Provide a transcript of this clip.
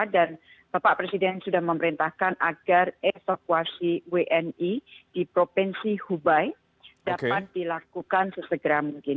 dan bapak presiden sudah memerintahkan agar evakuasi wni di provinsi hubei dapat dilakukan sesegera mungkin